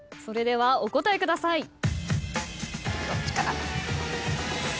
それではお答えください。